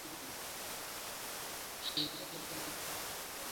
রামানুজাচার্যের মতে খাদ্যসম্বন্ধীয় ত্রিবিধ দোষ পরিহার করা কর্তব্য।